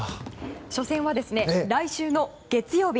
初戦は来週の月曜日。